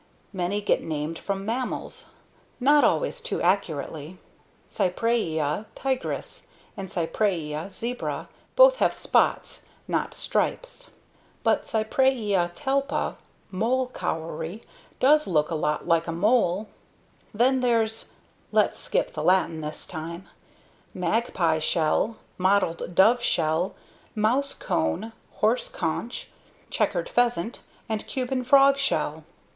Many get named from mammals not always too accurately. CYPRAEA TIGRIS and CYPRAEA ZEBRA both have spots, not stripes. But CYPRAEA TALPA ("mole cowrie") does look a lot like a mole. Then there's (let's skip the Latin this time) Magpie Shell, Mottled Dove Shell, Mouse Cone, Horse Conch, Checkered Pheasant, and Cuban Frog Shell.